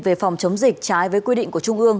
về phòng chống dịch trái với quy định của trung ương